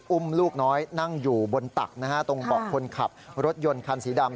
อุ้มลูกน้อยนั่งอยู่บนตักนะฮะตรงเบาะคนขับรถยนต์คันสีดำ